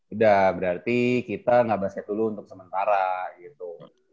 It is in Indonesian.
udah berarti kita nggak basket dulu untuk sementara gitu